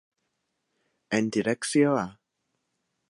En direcció a.